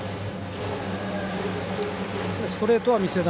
ストレートは見せ球。